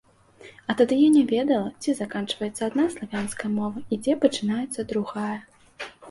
А тады я не ведала, дзе заканчваецца адна славянская мова, і дзе пачынаецца другая.